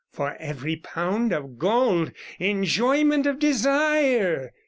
For every pound of gold enjoyment of desire.'